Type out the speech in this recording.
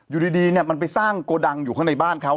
อยู่ดีเนี่ยมันไปสร้างโกดังอยู่ข้างในบ้านเขา